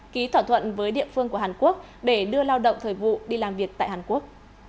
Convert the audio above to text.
ký thỏa thuận với địa phương của hàn quốc để đưa lao động thời vụ đi làm việc tại hàn quốc